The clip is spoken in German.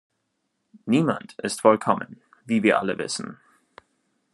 Niemand ist vollkommen, wie wir alle wissen.